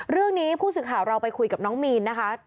เรื่องนี้ผู้สื่อข่าวเราไปคุยกับน้องมีนนะคะ